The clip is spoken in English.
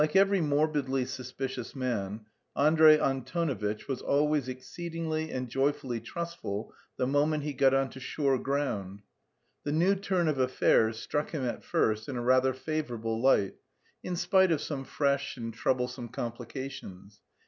Like every morbidly suspicious man, Andrey Antonovitch was always exceedingly and joyfully trustful the moment he got on to sure ground. The new turn of affairs struck him at first in a rather favourable light in spite of some fresh and troublesome complications.